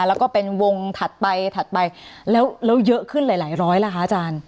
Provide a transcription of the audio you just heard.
แล้วก็เป็นวงถัดไปถัดไปแล้วเยอะขึ้นหลายร้อยล่ะคะอาจารย์